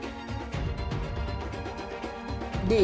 đi sâu tìm hiểu